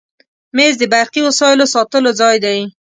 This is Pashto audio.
مېز د برقي وسایلو ساتلو ځای دی.